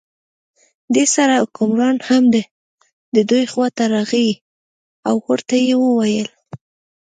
دې سره حکمران هم د دوی خواته راغی او ورته یې وویل.